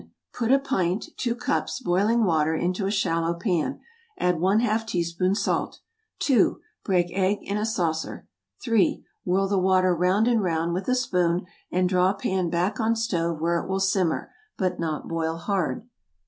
Put a pint (2 cups) boiling water into a shallow pan. Add ½ teaspoon salt. 2. Break egg in a saucer. 3. Whirl the water 'round and 'round with a spoon, and draw pan back on stove where it will simmer, but not boil hard.